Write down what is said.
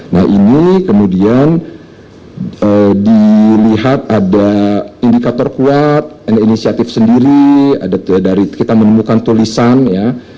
nah ini kemudian dilihat ada indikator kuat ada inisiatif sendiri dari kita menemukan tulisan ya